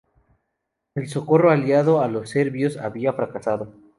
El socorro aliado a los serbios había fracasado.